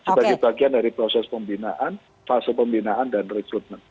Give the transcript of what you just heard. sebagai bagian dari proses pembinaan fase pembinaan dan rekrutmen